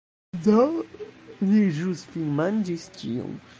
Do, ni ĵus finmanĝis ĉion